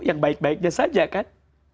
yang baik baiknya saja kan